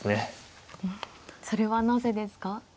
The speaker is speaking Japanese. それはなぜですか。